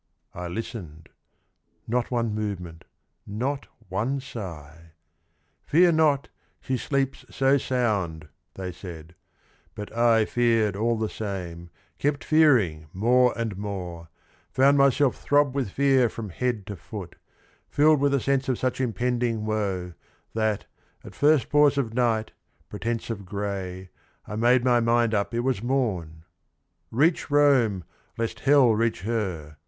I listened, — not one movement, not one sigh. ' Fear not : she sleeps so sound !' they said : but I Feared, all the same, kept fearing more and more, Found myself throb with fear from head to foot, Filled with a sense of such impending woe, That, at first pause of night, pretence of gray, I made my mind up it was morn. 'Reach Rome, Lest hell reach her